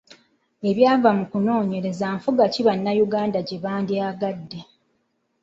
Ebyava mu kunoonyereza nfuga ki bannayuganda gye bandyagadde.